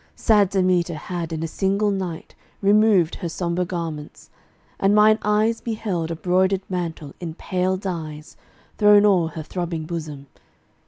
Sad Demeter had in a single night Removed her sombre garments! and mine eyes Beheld a 'broidered mantle in pale dyes Thrown o'er her throbbing bosom.